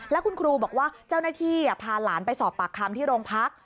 แล้วคุณครูบอกว่าเจ้าหน้าที่พาหลานไปสอบปากคำที่โรงพัก